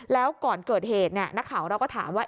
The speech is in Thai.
แล้วก่อนเกิดเหตุนักข่าวเราก็ถามว่า